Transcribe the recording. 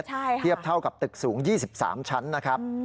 เทียบเท่ากับตึกสูง๒๓ชั้นนะครับ